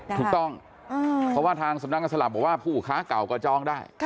ถูกต้องเพราะว่าทางสำนักงานสลากบอกว่าผู้ค้าเก่าก็จองได้